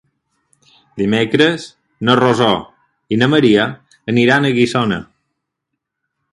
Dimecres na Rosó i na Maria aniran a Guissona.